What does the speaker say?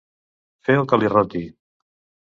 Fer el que li roti.